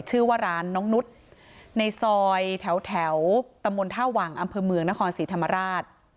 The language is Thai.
ชื่อว่าร้านน้องนุษย์ในซอยแถวตำบลท่าวังอำเภอเมืองนครศรีธรรมราช